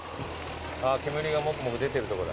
煙がモクモク出てるとこだ。